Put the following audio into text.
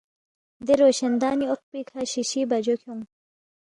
دے روشن دانی اوق پیکھہ شِیشی بجو کھیونگ